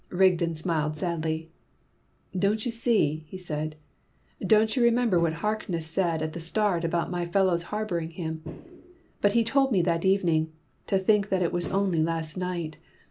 Rigden smiled sadly. "Don't you see?" he said. "Don't you remember what Harkness said at the start about my fellows harbouring him? But he told me that evening to think that it was only last night!